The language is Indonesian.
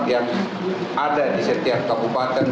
yang ada di setiap kabupaten